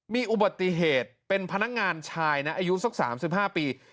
มีอุบัติเหตุเป็นพนักงานชายนะอายุสัก๓๕ปี